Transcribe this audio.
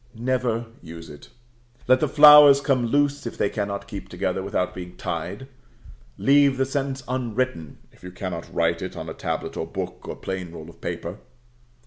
Never use it. Let the flowers come loose if they cannot keep together without being tied; leave the sentence unwritten if you cannot write it on a tablet or book, or plain roll of paper.